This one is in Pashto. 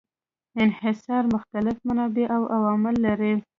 انحصار مختلف منابع او عوامل لري.